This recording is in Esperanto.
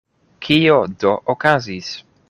Kio do okazis?